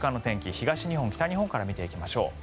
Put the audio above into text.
東日本、北日本から見ていきましょう。